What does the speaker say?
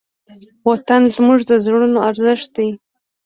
وطن زموږ د زړونو ارزښت دی.